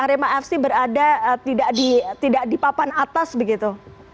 arema fc berada tidak di papan atas begitu